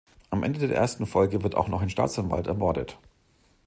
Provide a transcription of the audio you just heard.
Am Ende der ersten Folge wird auch noch ein Staatsanwalt ermordet.